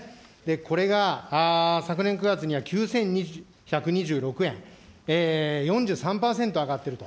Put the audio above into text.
これが昨年９月には９１２６円、４３％上がっていると。